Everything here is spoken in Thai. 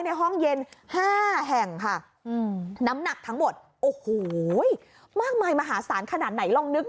ห้องเย็น๕แห่งค่ะน้ำหนักทั้งหมดโอ้โหมากมายมหาศาลขนาดไหนลองนึก